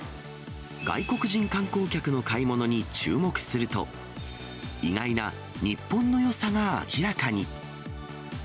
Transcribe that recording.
外国人観光客の買い物に注目すると、意外な日本のよさが明らかに。